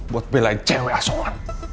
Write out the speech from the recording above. buat belain cewek asokan